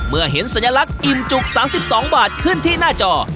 เมื่อเห็นสัญลักษณ์อิ่มจุก๓๒บาทขึ้นที่หน้าจอ